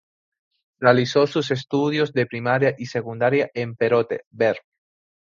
Realizó sus estudios de primaria y secundaria en Perote, Ver.